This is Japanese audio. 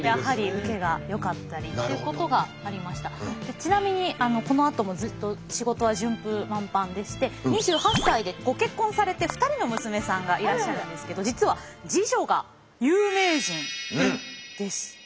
ちなみにこのあともずっと仕事は順風満帆でして２８歳でご結婚されて２人の娘さんがいらっしゃるんですけど実は次女が有名人でして。